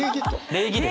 礼儀です。